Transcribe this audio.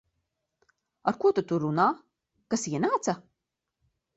Ar ko tu tur runā? Kas ienāca?